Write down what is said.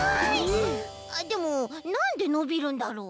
あっでもなんでのびるんだろう？